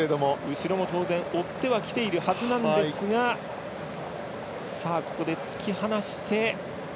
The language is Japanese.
後ろも当然追ってはきているはずなんですがここで突き放して。